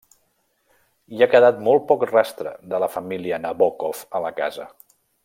Hi ha quedat molt poc rastre de la família Nabókov a la casa.